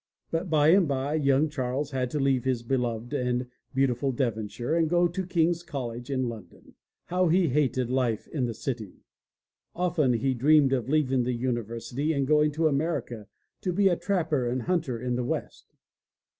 But by and by, young Charles had to leave his beloved and beautiful Devonshire and go to King's College in London. How he hated life in the city! Often he dreamed of leaving the University and going to America to be a trapper and hunter in the west.